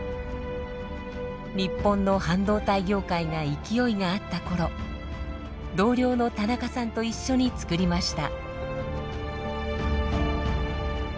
日本の半導体業界が勢いがあった頃同僚の田中さんと一緒につくりました。